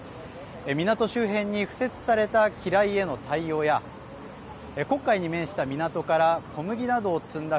港周辺に敷設された機雷への対応や黒海に面した港から小麦などを積んだ